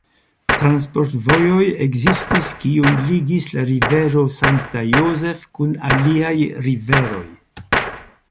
Transport-vojojn ekzistis kiuj ligis la Rivero St. Joseph kun aliaj riveroj.